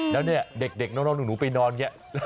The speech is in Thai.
แล้วนี่เด็กน้องหนูไปนอนนี่